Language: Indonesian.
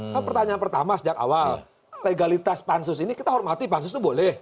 kan pertanyaan pertama sejak awal legalitas pansus ini kita hormati pansus itu boleh